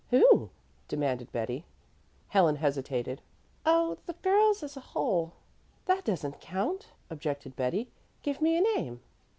"Who?" demanded Betty. Helen hesitated. "Oh, the girls as a whole." "That doesn't count," objected Betty. "Give me a name."